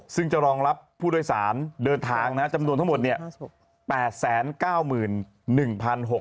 ซึ่งจะรองรับผู้โดยสารเดินทางนะฮะจำนวนทั้งหมดนิ่ง